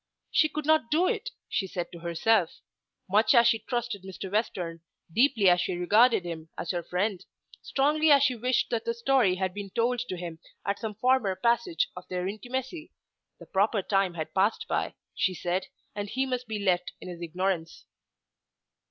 She could not do it, she said to herself. Much as she trusted Mr. Western, deeply as she regarded him as her friend, strongly as she wished that the story had been told to him at some former passage of their intimacy, the proper time had passed by, she said, and he must be left in his ignorance.